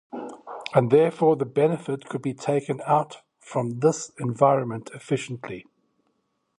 And therefore the benefit could be taken out from this environment efficiently.